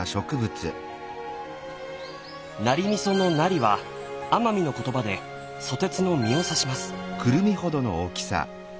ナリ味噌の「ナリ」は奄美の言葉でソテツの実を指します。